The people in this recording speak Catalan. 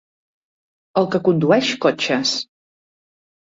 El que condueix cotxes.